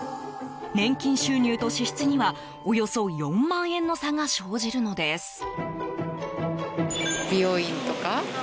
年金収入と支出にはおよそ４万円の差が生じるのです。